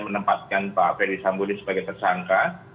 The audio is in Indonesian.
menempatkan pak ferry sambuli sebagai tersangka